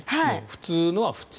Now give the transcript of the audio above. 普通のは普通。